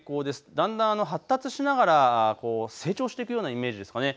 だんだん発達しながら成長していくようなイメージですかね。